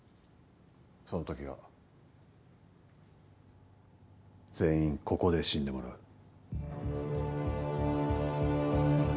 そのときは全員ここで死んでもらう。